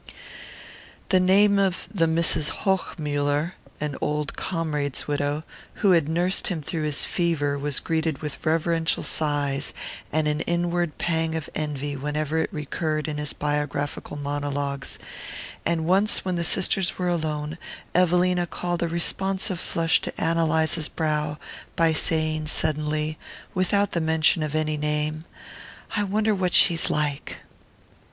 The name of the Mrs. Hochmuller (an old comrade's widow) who had nursed him through his fever was greeted with reverential sighs and an inward pang of envy whenever it recurred in his biographical monologues, and once when the sisters were alone Evelina called a responsive flush to Ann Eliza's brow by saying suddenly, without the mention of any name: "I wonder what she's like?"